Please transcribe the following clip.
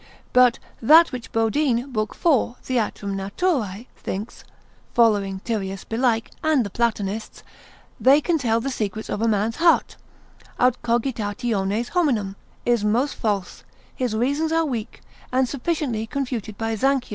But that which Bodine, l. 4, Theat. nat. thinks (following Tyrius belike, and the Platonists,) they can tell the secrets of a man's heart, aut cogitationes hominum, is most false; his reasons are weak, and sufficiently confuted by Zanch.